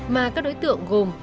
mà các đối tượng gồm